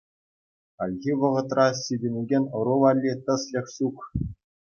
Хальхи вӑхӑтра ҫитӗнекен ӑру валли тӗслӗх ҫук.